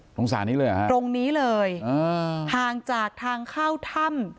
สารนี้เลยเหรอฮะตรงนี้เลยห่างจากทางเข้าถ้ำ